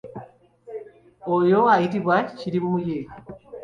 Oyo ayitibwa kirimuye.